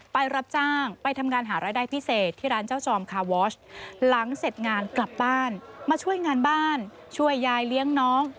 ไปรับจ้างไปทำงานหารายได้พิเศษที่ร้านเจ้าจอมคาวอชหลังเสร็จงานกลับบ้านมาช่วยงานบ้านช่วยยายเลี้ยงน้อง